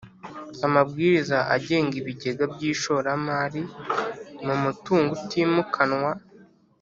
Amabwiriza agenga ibigega by ishoramari mu mutungo utimukanwa